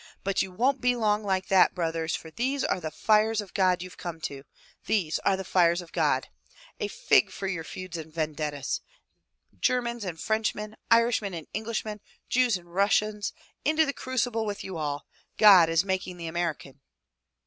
But you won*t be long like that, brothers, for these are the fires of God youVe come to — these are the fires of God. A fig for your feuds and vendettas! Germans and Frenchmen, Irishmen and Englishmen, Jews and Russians, into the crucible with you all! God is making the American!''